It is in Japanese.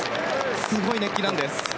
すごい熱気なんです。